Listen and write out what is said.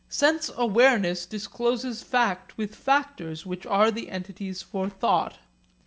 Sense awareness discloses fact with factors which are the entities for thought.